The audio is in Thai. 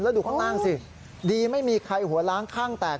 แล้วดูข้างล่างสิดีไม่มีใครหัวล้างข้างแตก